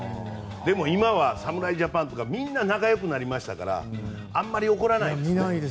でも今は侍ジャパンとかみんな仲よくなりましたからあまり怒らないです。